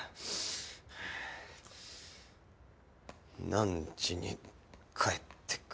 「何時に帰ってく」。